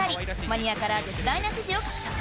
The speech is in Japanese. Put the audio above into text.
マニアから絶大な支持を獲得